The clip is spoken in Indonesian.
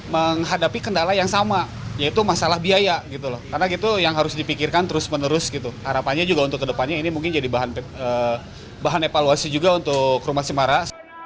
menghadapi kendala yang sama yaitu masalah biaya gitu loh karena gitu yang harus dipikirkan terus menerus gitu harapannya juga untuk kedepannya ini mungkin jadi bahan evaluasi juga untuk rumah cemara